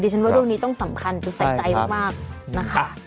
ดิฉันว่าร่วมนี้ต้องสำคัญต้องใส่ใจมากนะคะ